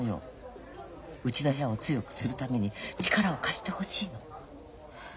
うちの部屋を強くするために力を貸してほしいの。